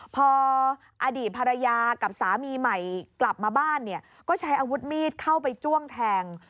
พออดีตภรรยากับสามีใหม่กลับมาบ้านเนี่ยก็ใช้อาวุธมีดเข้าไปจ้วงแทง